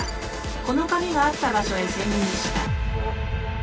この紙があった場所へ潜入した。